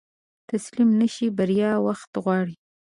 تسليم نشې، بريا وخت غواړي.